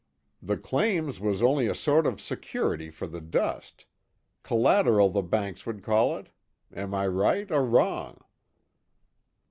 The claims was only a sort of security for the dust. C'latteral the banks would call it. Am I right, or wrong?"